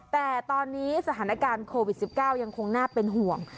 แต่ตอนนี้สถานการณ์โควิด๑๙ยังคงน่าเป็นห่วง